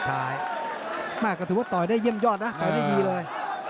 แม่ก็ถือว่าต่อยได้เยี่ยมยอดนะต่อยได้ดีเลย